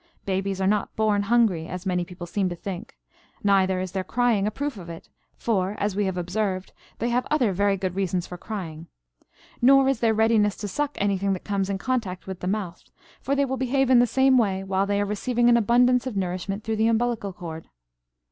Babies are not born hungry, as many people seem to think. Neither is their crying a proof of it, for, as we have observed, they have other very good reasons for crying; nor is their readiness to suck anything that comes in contact with the mouth, for they will behave in the same way while they are receiving an abundance of nourishment through the umbilical cord.